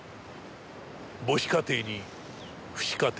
母子家庭に父子家庭。